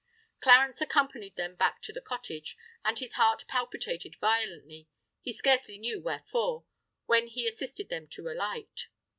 Clarence accompanied them back to the cottage; and his heart palpitated violently—he scarcely knew wherefore—when he assisted them to alight.